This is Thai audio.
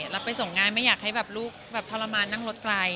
เราไปส่งงานไม่อยากให้ลูกทรมานนั่งรถไกล